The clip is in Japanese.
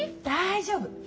大丈夫！